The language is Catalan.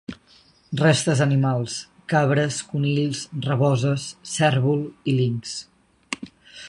Restes animals: cabres, conills, raboses, cérvol i linx.